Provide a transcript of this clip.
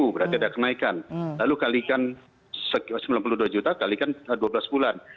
berarti ada kenaikan lalu kalikan sembilan puluh dua juta kali kan dua belas bulan